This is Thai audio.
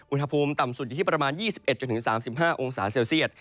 อุณหภูมิต่ำสุดอยู่ที่ประมาณ๒๑๓๕องศาเซลเซียต